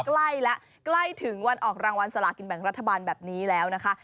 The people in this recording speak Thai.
ใกล้แล้วใกล้ถึงวันออกรางวัลสลากินแบ่งรัฐบาลแบบนี้แล้วนะคะ